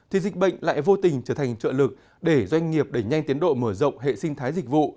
thì dịch bệnh lại vô tình trở thành trợ lực để doanh nghiệp đẩy nhanh tiến độ mở rộng hệ sinh thái dịch vụ